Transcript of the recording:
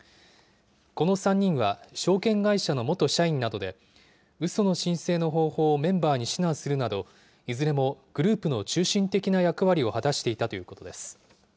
この３人は証券会社の元社員などで、うその申請の方法をメンバーに指南するなど、いずれもグループの中心的な役割を果たしていたということです。